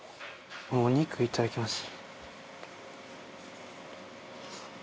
お肉いただきます。